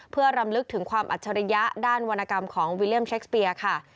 เพื่อรำลึกถึงความอัจฉริยะด้านวรรณกรรมของวิลเลี่ยมเชคสเปียค่ะ